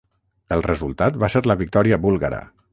El resultat va ser la victòria búlgara.